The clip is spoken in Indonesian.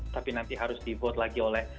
tapi nanti harus di vote lagi oleh